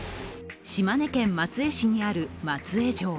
島根県松江市にある松江城。